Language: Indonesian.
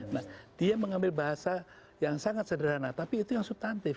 nah dia mengambil bahasa yang sangat sederhana tapi itu yang subtantif